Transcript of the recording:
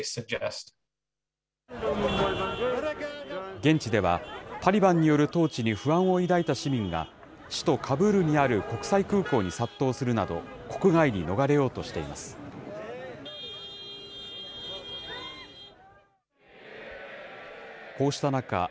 現地では、タリバンによる統治に不安を抱いた市民が、首都カブールにある国際空港に殺到するなど、国外に逃れようとしています。